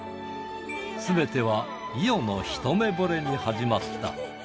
すべては伊代の一目ぼれに始まった。